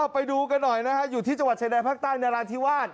ไปดูกันหน่อยนะครับอยู่ที่จังหวัดชายนายภาคใต้ในร้านที่ว่าน